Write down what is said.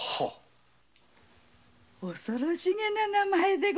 恐ろしげな名前でござりますね。